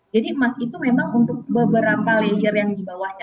jadi emas itu memang untuk beberapa layer yang dibawahnya